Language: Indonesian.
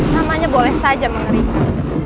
namanya boleh saja mengerikan